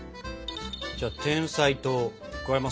じゃてんさい糖加えますね。